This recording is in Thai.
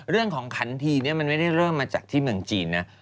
เรื่องของขันทีเนี่ยมันไม่ได้เริ่มมาจากที่เมืองจีนนะ